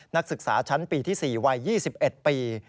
นักศึกษาชั้นปีที่๔วัย๒๑ปี